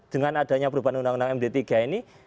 dengan adanya perubahan undang undang md tiga ini